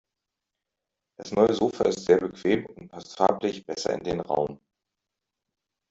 Das neue Sofa ist sehr bequem und passt farblich besser in den Raum.